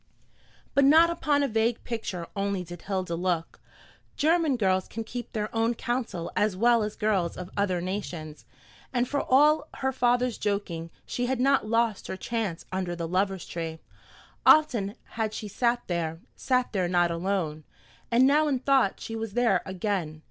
But not upon a vague picture only did Hilda look. German girls can keep their own counsel as well as girls of other nations, and for all her father's joking she had not "lost her chance" under the Lovers' Tree. Often had she sat there sat there not alone and now in thought she was there again.